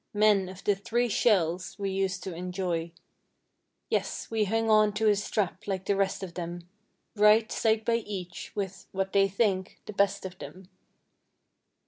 Men of the "three shells" we used to enjoy. Yes, we hung on to a strap like the rest of them; Right "side by each" with (what they think) the best of them.